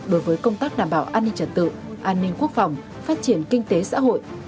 đối với công tác đảm bảo an ninh trật tự an ninh quốc phòng phát triển kinh tế xã hội